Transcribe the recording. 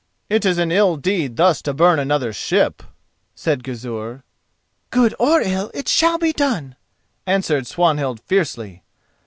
"It is an ill deed thus to burn another's ship," said Gizur. "Good or ill, it shall be done," answered Swanhild fiercely.